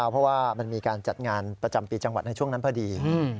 เพราะว่ามันมีการจัดงานประจำปีจังหวัดในช่วงนั้นพอดี